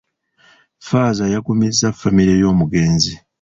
Ffaaza yagumizza famire y'omugenzi.